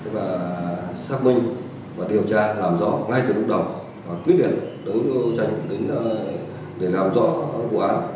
và xác minh và điều tra làm rõ ngay từ lúc đầu và quyết định để làm rõ bộ án